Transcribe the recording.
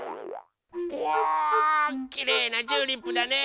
うわきれいなチューリップだね！